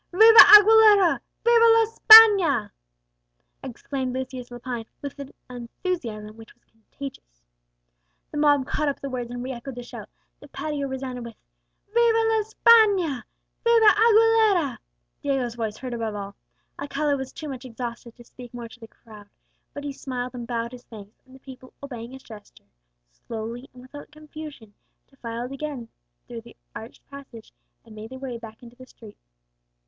"Viva Aguilera! viva la Spagna!" exclaimed Lucius Lepine, with an enthusiasm which was contagious. The mob caught up the words, and re echoed the shout; the patio resounded with "Viva la Spagna! viva Aguilera!" Diego's voice heard above all. Alcala was too much exhausted to speak more to the crowd, but he smiled and bowed his thanks; and the people, obeying his gesture, slowly and without confusion defiled again through the arched passage, and made their way back into the street.